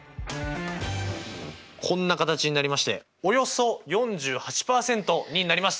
こんな形になりましておよそ４８％になります。